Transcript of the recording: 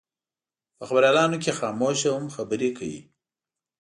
په خبریالانو کې خاموشه هم خبرې کوي.